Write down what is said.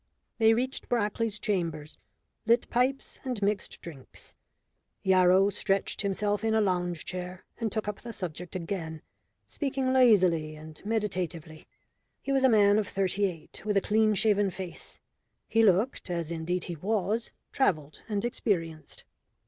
They reached Brackley's chambers, lit pipes, and mixed drinks. Yarrow stretched himself in a lounge chair, and took up the subject again, speaking lazily and meditatively. He was a man of thirty eight, with a clean shaven face; he looked, as indeed he was, travelled and experienced.